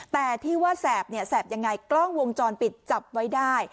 แต่ที่ว่าแสบเนี่ยแสบยังไงกล้องวงจรปิดจับไว้ได้